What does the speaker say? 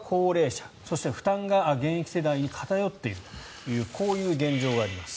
給付は高齢者、そして負担が現役世代に偏っているというこういう現状があります。